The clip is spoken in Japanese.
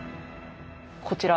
こちら。